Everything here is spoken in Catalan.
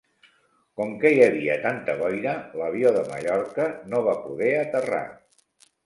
Com que hi havia tanta boira, l'avió de Mallorca no va poder aterrar.